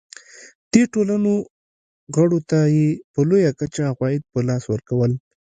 دې ټولنو غړو ته یې په لویه کچه عواید په لاس ورکول.